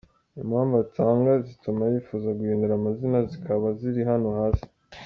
Impamvu atanga zituma yifuza guhindura amazina zikaba ziri hano hasi.